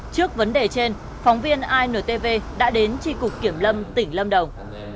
trước vấn đề trên phóng viên intv đã đến tri cục kiểm lâm tỉnh lâm đồng